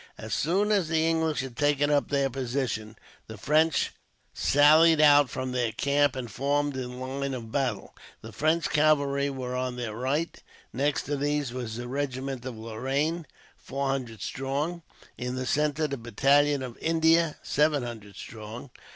As soon as the English had taken up their position, the French sallied out from their camp and formed in line of battle. The French cavalry were on their right; next to these was the regiment of Lorraine, four hundred strong; in the centre the battalion of India, seven hundred strong.